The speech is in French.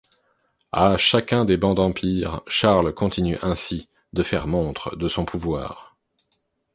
À chacun des bans d'Empire, Charles continue ainsi de faire montre de son pouvoir.